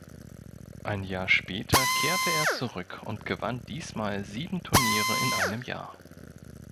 Ein Jahr später kehrte er zurück und gewann diesmal sieben Turniere in einem Jahr.